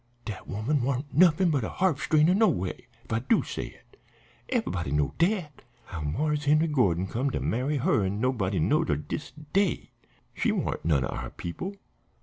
Dat woman warn't nuffin but a harf strainer noway, if I do say it. Eve'body knowed dat. How Marse Henry Gordon come to marry her nobody don't know till dis day. She warn't none o' our people.